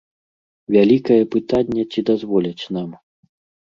Вялікае пытанне, ці дазволяць нам.